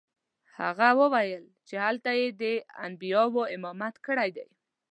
هغه وویل چې هلته یې د انبیاوو امامت کړی دی.